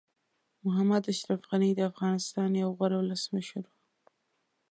محمد اشرف غني د افغانستان یو غوره ولسمشر وو.